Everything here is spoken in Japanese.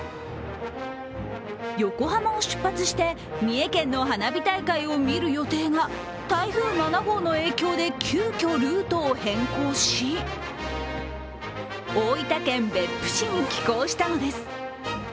横浜を出発して三重県の花火大会を見る予定が台風７号の影響で急遽ルートを変更し、大分県別府市に寄港したのです。